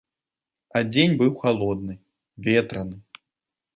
А дзень быў халодны, ветраны.